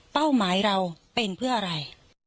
หมายเราเป็นเพื่ออะไร